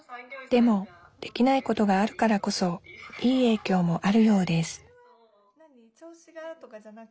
でもできないことがあるからこそいい影響もあるようです何？